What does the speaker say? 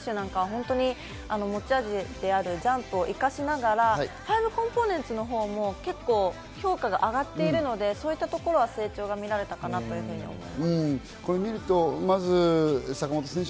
特に坂本選手は本当に持ち味であるジャンプを生かしながら５コンポーネンツのほうも評価が上がっているので、そういったところは成長が見られたかなと思います。